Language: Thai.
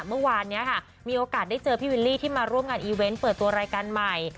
เมื่อวานนี้ค่ะมีโอกาสได้เจอพี่วิลลี่ที่มาร่วมงานอีเวนต์เปิดตัวรายการใหม่